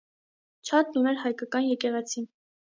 Չաթն ուներ հայկական եկեղեցի։